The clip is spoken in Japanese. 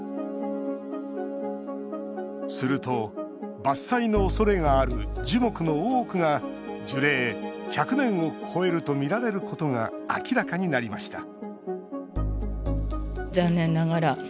すると伐採のおそれがある樹木の多くが樹齢１００年を超えるとみられることが明らかになりました